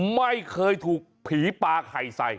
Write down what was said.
ไม่เคยถูกผีปลาไข่ใส่